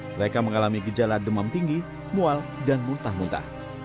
mereka mengalami gejala demam tinggi mual dan muntah muntah